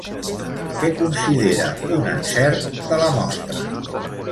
Què considera un encert de la mostra?